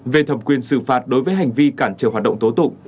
về thẩm quyền xử phạt đối với hành vi cản trở hoạt động tố tụng